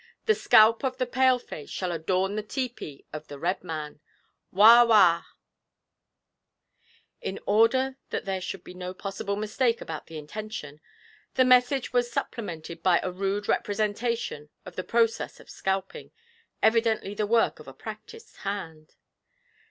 The scalp of the Paleface shall adorn the tepee of the Red Man. 'WAH WAH!' In order that there should be no possible mistake about the intention, the message was supplemented by a rude representation of the process of scalping, evidently the work of a practised hand.